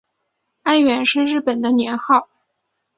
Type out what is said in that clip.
安元是日本的年号。